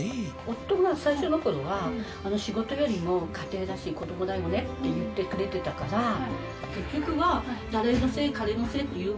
夫が最初の頃は「仕事よりも家庭だし子供だよね」って言ってくれてたから結局は誰のせい彼のせい。